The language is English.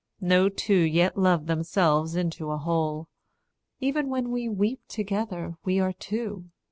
No two yet loved themselves into a whole; Even when we weep together we are two.